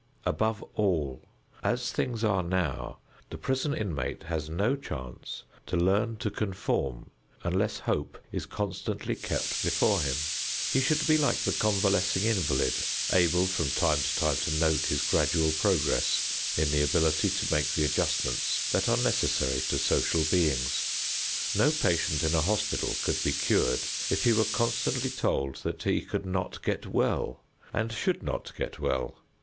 Above all, as things are now, the prison inmate has no chance to learn to conform unless hope is constantly kept before him. He should be like the convalescing invalid, able from time to time to note his gradual progress in the ability to make the adjustments that are necessary to social beings. No patient in a hospital could be cured if he were constantly told that he could not get well and should not get well.